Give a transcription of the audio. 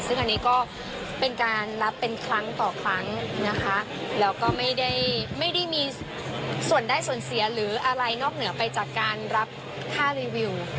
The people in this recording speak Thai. ซึ่งอันนี้ก็เป็นการรับเป็นครั้งต่อครั้งนะคะแล้วก็ไม่ได้มีส่วนได้ส่วนเสียหรืออะไรนอกเหนือไปจากการรับค่ารีวิว